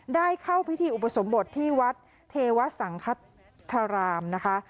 ได้เข้าพิธีอุปสมบทที่วัดเทวสังคธารามนะคะ